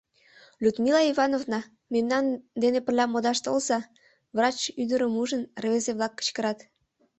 — Людмила Ивановна, мемнан дене пырля модаш толза! — врач ӱдырым ужын, рвезе-влак кычкырат.